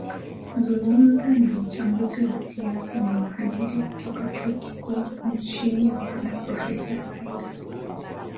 zungumza na mchambuzi wa siasa na mhadhiri kutoka chuo kikuu nchini rwanda profesa silas